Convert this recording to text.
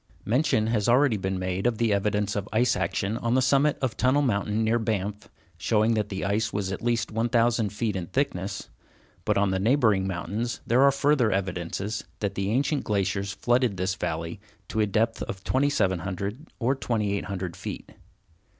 Mention has already been made of the evidence of ice action on the summit of Tunnel Mountain, near Banff, showing that the ice was at least 1000 feet in thickness, but on the neighboring mountains there are further evidences that the ancient glaciers flooded this valley to a depth of 2700 or 2800 feet.